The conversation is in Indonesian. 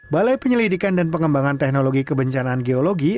balai penyelidikan dan pengembangan teknologi kebencanaan geologi